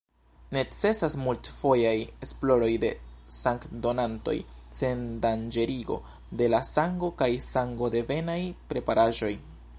Necesas multfojaj esploroj de sangdonantoj, sendanĝerigo de la sango kaj sangodevenaj preparaĵoj.